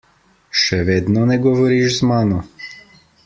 Še vedno ne govoriš z mano?